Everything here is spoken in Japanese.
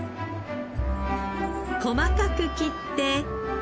細かく切って。